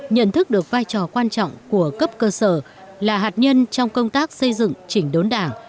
nhận thức được vai trò quan trọng của cấp cơ sở là hạt nhân trong công tác xây dựng chỉnh đốn đảng